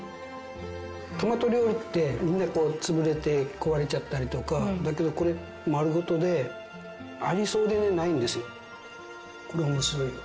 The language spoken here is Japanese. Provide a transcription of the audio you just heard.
トマト料理ってみんなこう潰れて壊れちゃったりとかだけどこれ丸ごとでありそうでないんですよ。これ面白いよ。